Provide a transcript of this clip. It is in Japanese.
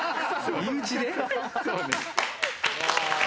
身内で？